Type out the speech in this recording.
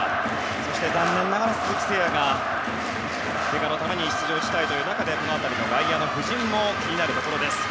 そして残念ながら鈴木誠也がけがのために出場辞退という中で外野の布陣も気になるところ。